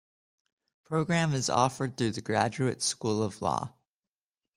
Program is offered through the Graduate School of Law.